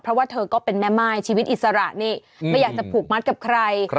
เพราะว่าเธอก็เป็นแม่ม่ายชีวิตอิสระนี่ไม่อยากจะผูกมัดกับใคร